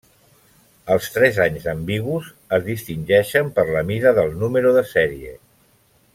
Els tres anys ambigus es distingeixen per la mida del número de sèrie.